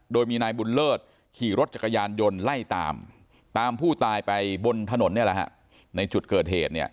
โดยมีนายบุญเลิศขี่รถจักรยานยนต์ไล่ตามตามผู้ตายไปบนถนนในจุดเกิดเหตุ